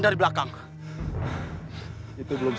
berani membokong orang